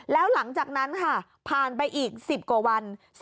แล้วหลังจากนั้นค่ะผ่านไปอีก๑๐กว่าวัน